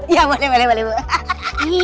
ya boleh boleh